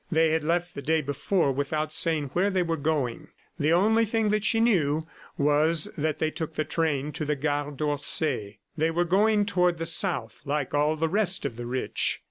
They had left the day before without saying where they were going. The only thing that she knew was that they took the train in the Gare d'Orsay. They were going toward the South like all the rest of the rich.